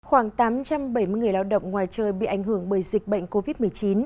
khoảng tám trăm bảy mươi người lao động ngoài trời bị ảnh hưởng bởi dịch bệnh covid một mươi chín